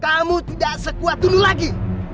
kamu tidak sekuat dulu lagi